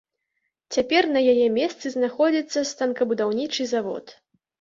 Цяпер на яе месцы знаходзіцца станкабудаўнічы завод.